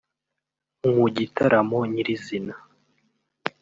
Mu gitaramo nyir’izina